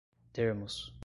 termos